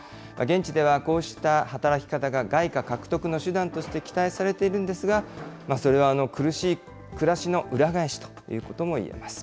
現地ではこうした働き方が外貨獲得の手段として期待されているんですが、それは苦しい暮らしの裏返しということもいえます。